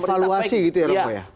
evaluasi gitu ya